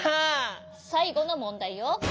さいごのもんだいよ。